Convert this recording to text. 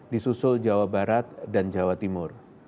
di susul jawa barat dan jawa timur